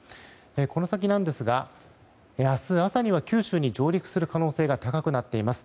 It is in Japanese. この先なんですが、明日朝には九州に上陸する可能性が高くなっています。